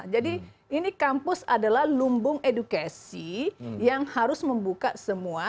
jadi ini kampus adalah lumbung edukasi yang harus membuka semua